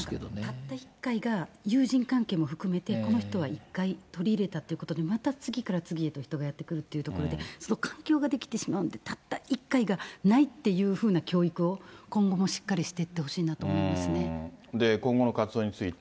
たった１回が、友人関係も含めて、この人は一回取り入れたということでまた次から次へと人がやって来るというところで、環境が出来てしまうんで、たった１回がないっていうふうな教育を、今後もしっかりしていっ今後の活動について。